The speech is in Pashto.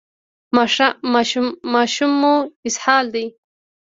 ماشوم مو اسهال دی؟